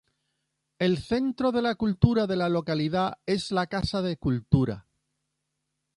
El centro de la cultura de la localidad es la Casa de Cultura.